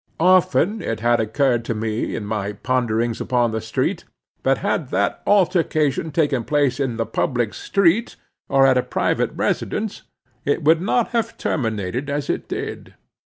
Often it had occurred to me in my ponderings upon the subject, that had that altercation taken place in the public street, or at a private residence, it would not have terminated as it did.